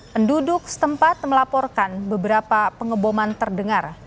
penduduk setempat melaporkan beberapa pengeboman terdengar